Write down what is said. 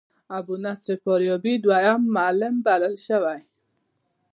ابو نصر فارابي دوهم معلم بلل شوی.